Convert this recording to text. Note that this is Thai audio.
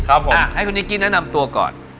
อ่ะให้คุณนิกกี้แนะนำตัวก่อน